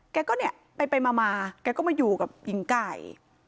แกก็เนี่ยไปมาแกก็มาอยู่กับหญิงไก่